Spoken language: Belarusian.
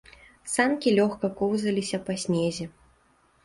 Санкі лёгка коўзаліся па снезе.